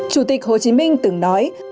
chủ tịch hồ chí minh từng nói